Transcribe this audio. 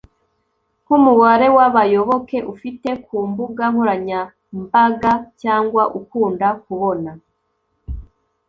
nk'umubare w'abayoboke ufite ku mbuga nkoranyambaga cyangwa ukunda kubona